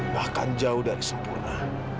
bahkan jauh dari sempurna